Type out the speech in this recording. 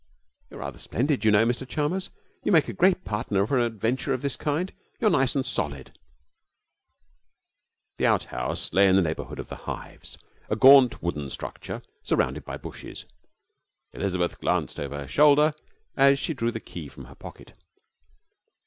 'You're rather splendid, you know, Mr Chalmers. You make a great partner for an adventure of this kind. You're nice and solid.' The outhouse lay in the neighbourhood of the hives, a gaunt, wooden structure surrounded by bushes. Elizabeth glanced over her shoulder as she drew the key from her pocket.